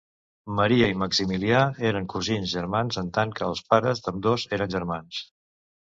Maria i Maximilià eren cosins germans en tant que els pares d'ambdós eren germans.